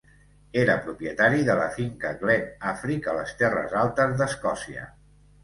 Era propietari de la finca Glen Affric a les Terres Altes d'Escòcia.